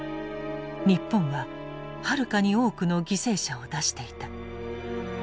日本ははるかに多くの犠牲者を出していた。